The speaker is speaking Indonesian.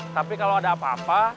tapi kalau ada apa apa